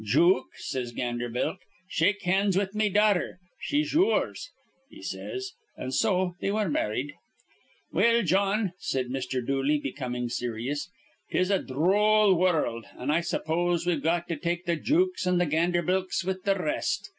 'Jook,' says Ganderbilk, 'shake hands with me daughther. She's your's,' he says. An' so they were marrid. "Well, Jawn," said Mr. Dooley, becoming serious, "'tis a dhroll wurruld, an' I suppose we've got to take th' jooks an' th' Ganderbilks with the r rest.